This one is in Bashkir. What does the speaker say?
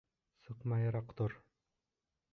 Сыҡмайыраҡ тор!